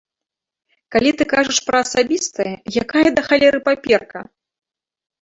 Калі ты кажаш пра асабістае, якая, да халеры, паперка?